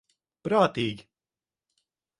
Prātīgi.